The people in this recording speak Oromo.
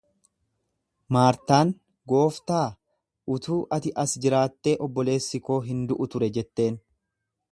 Maartaan, Gooftaa, utuu ati as jiraattee obboleessi koo hin du'u ture jetteen.